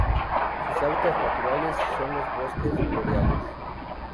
Sus hábitats naturales son los bosques boreales.